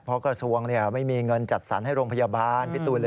เพราะกระทรวงไม่มีเงินจัดสรรให้โรงพยาบาล